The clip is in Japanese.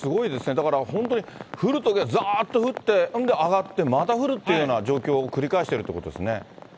だから、本当に降るときはざーっと降って、それであがって、また降るっていうような状況を繰り返しているという状況ですね。